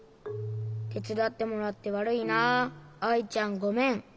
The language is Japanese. てつだってもらってわるいなアイちゃんごめん。